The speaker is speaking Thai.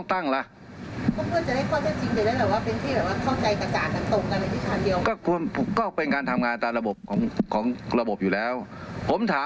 อยากฟ้องเราไปฟ้องมา